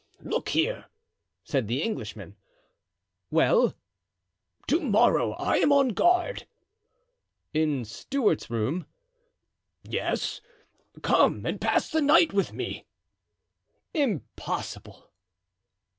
"Look here," said the Englishman. "Well?" "To morrow I am on guard." "In Stuart's room?" "Yes; come and pass the night with me." "Impossible!"